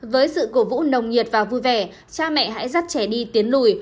với sự cổ vũ nồng nhiệt và vui vẻ cha mẹ hãy dắt trẻ đi tiến lùi